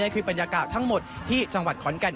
คือบรรยากาศทั้งหมดที่จังหวัดขอนแก่น